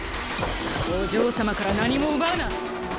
お嬢様から何も奪うな。